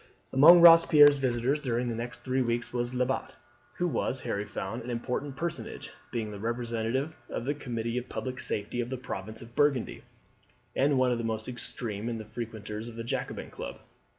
Among Robespierre's visitors during the next three weeks was Lebat, who was, Harry found, an important personage, being the representative on the Committee of Public Safety of the province of Burgundy, and one of the most extreme of the frequenters of the Jacobin Club.